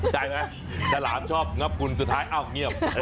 ได้ไหมฉลามชอบงับคุณสุดท้ายอ้าวเงียบ